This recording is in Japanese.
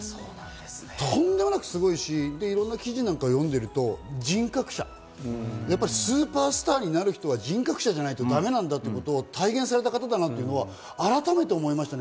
とんでもなくすごいし、いろんな記事を読んでいると人格者、スーパースターになる人は人格者じゃないとだめなんだってことを体現された方だなっていうのを改めて思いましたね。